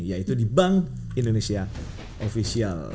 yaitu di bank indonesia ofisial